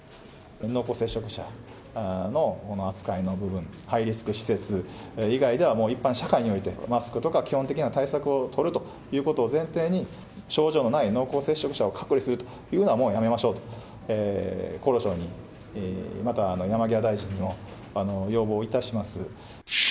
濃厚接触者の扱いの部分、ハイリスク施設以外では、もう一般社会において、マスクとか基本的な対策を取るということを前提に、症状のない濃厚接触者を隔離するというのは、もうやめましょうと、厚労省に、また山際大臣にも要望いたします。